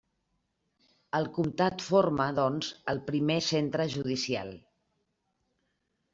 El comtat forma, doncs, el primer centre judicial.